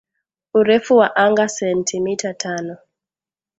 urefu wa angaa sentimita tano